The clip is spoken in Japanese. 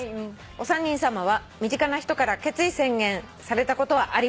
お三人さまは身近な人から決意宣言されたことはありますか？」